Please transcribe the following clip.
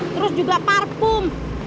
terus juga parfum